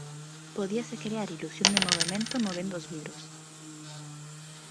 Podíase crear ilusión de movemento movendo os vidros.